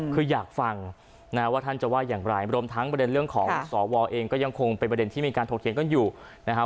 คืออยากฟังนะว่าท่านจะว่าอย่างไรรวมทั้งประเด็นเรื่องของสวเองก็ยังคงเป็นประเด็นที่มีการถกเถียงกันอยู่นะครับ